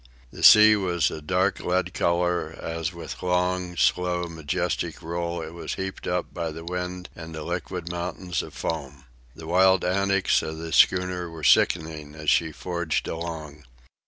The sea was a dark lead color as with long, slow, majestic roll it was heaped up by the wind into liquid mountains of foam. The wild antics of the schooner were sickening as she forged along.